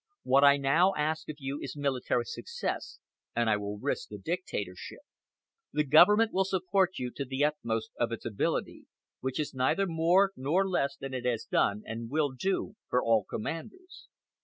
What I now ask of you is military success, and I will risk the dictatorship. The government will support you to the utmost of its ability, which is neither more nor less than it has done and will do for all commanders.